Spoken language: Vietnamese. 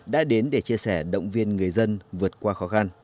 đã đến để chia sẻ động viên người dân vượt qua khó khăn